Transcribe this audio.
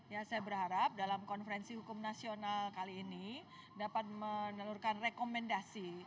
ya saya berharap dalam konferensi hukum nasional kali ini dapat menelurkan rekomendasi